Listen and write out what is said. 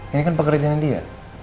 ini kan pekerjaannya dia